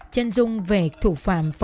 trân dung về thủ phạm phải trăng đã hé lộ